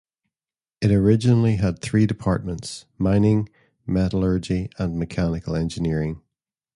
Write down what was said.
It originally had three departments: Mining, Metallurgy, and Mechanical Engineering.